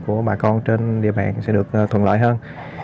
của bà con trên địa bàn sẽ được thuận lợi hơn